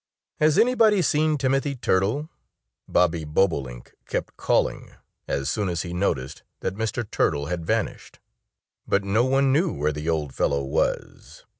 "Has anybody seen Timothy Turtle?" Bobby Bobolink kept calling as soon as he noticed that Mr. Turtle had vanished. But no one knew where the old fellow was.